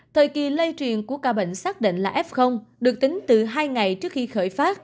thời kỳ lây truyền của ca bệnh xác định là f được tính từ hai ngày trước khi khởi phát